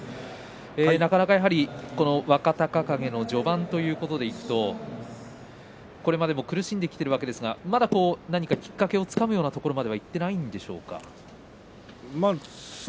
なかなか若隆景の序盤ということでいくとこれまでも苦しんできているわけですが何かきっかけをつかむところまではいっていないんでしょうか。